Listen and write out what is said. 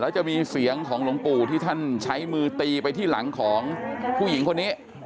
แล้วจะมีเสียงของหลวงปู่ที่ท่านใช้มือตีไปที่หลังของผู้หญิงคนนี้